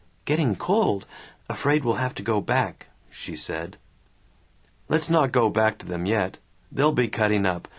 "Getting cold. Afraid we'll have to go back," she said. "Let's not go back to them yet. They'll be cutting up.